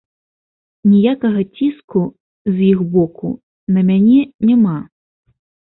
Ніякага ціску з іх боку на мяне няма.